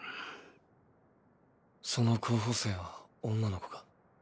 その候補生は女の子か？